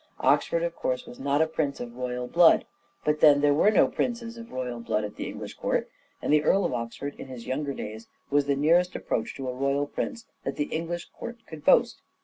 Oxford, of course, was not a prince of royal blood : but then there were no princes of royal blood at the English court, and the Earl of Oxford, in his younger days, was the nearest approach to a royal prince that the English court could boast.